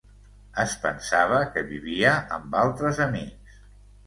Es pensava que vivia amb altres amics...